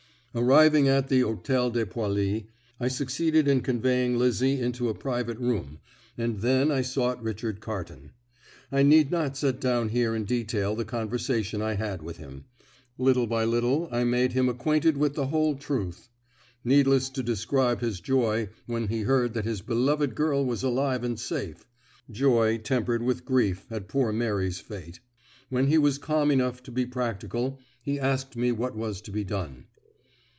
Arriving at the Hotel de Poilly, I succeeded in conveying Lizzie into a private room, and then I sought Richard Carton. I need not set down here in detail the conversation I had with him. Little by little I made him acquainted with the whole truth. Needless to describe his joy when he heard that his beloved girl was alive and safe joy, tempered with grief at poor Mary's fate. When he was calm enough to be practical, he asked me what was to be done.